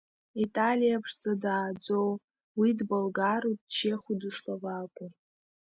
Италиа ԥшӡа дааӡоу, уи дболгару, дчеху, дысловаку…